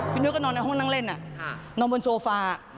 นุ้ยก็นอนในห้องนั่งเล่นนอนบนโซฟา